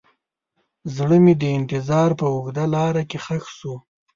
زړه مې د انتظار په اوږده لاره کې ښخ شو.